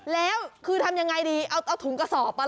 แล้วคือทำยังไงดีเอาถุงกระสอบไป